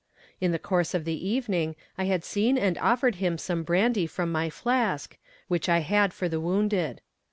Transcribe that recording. In the course of the evening, I had seen and offered him some brandy from my flask, which I had for the wounded.